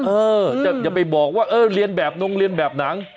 เออแต่อย่าไปบอกว่าเออเรียนแบบนมเรียนแบบนั้น